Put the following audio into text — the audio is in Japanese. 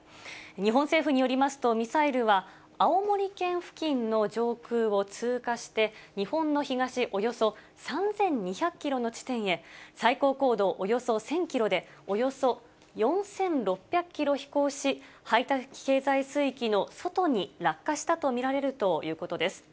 日本政府によりますと、ミサイルは青森県付近の上空を通過して、日本の東およそ３２００キロの地点へ、最高高度およそ１０００キロで、およそ４６００キロ飛行し、排他的経済水域の外に落下したと見られるということです。